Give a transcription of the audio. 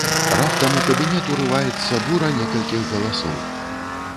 Раптам у кабінет урываецца бура некалькіх галасоў.